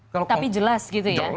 tapi jelas gitu ya